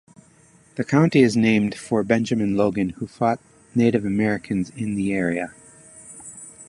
The county is named for Benjamin Logan, who fought Native Americans in the area.